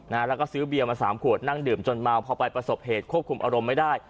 แล้วก็ซื้อเบียร์มาสามขวดนั่งดื่มจนเมาพอไปประสบเหตุควบคุมอารมณ์ไม่ได้